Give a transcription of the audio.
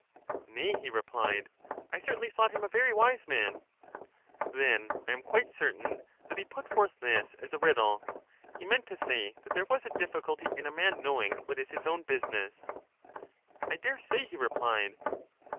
Nay, he replied, I certainly thought him a very wise man. Then I am quite certain that he put forth this as a riddle : he meant to say that there was a difficulty in a man knowing what is his own business. I dare say, he replied.